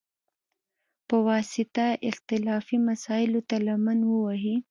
په واسطه، اختلافي مسایلوته لمن ووهي،